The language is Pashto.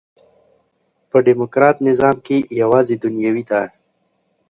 په ډيموکراټ نظام کښي یوازي دنیوي ده.